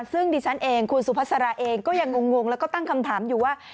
ซึ่งดิฉันเองคุณสุภาษาราเองก็ยังงงแล้วก็ตั้งคำถามอยู่ว่า